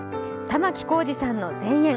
玉置浩二さんの「田園」。